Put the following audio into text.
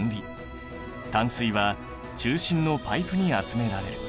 淡水は中心のパイプに集められる。